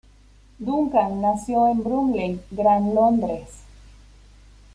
Duncan nació en Bromley, Gran Londres.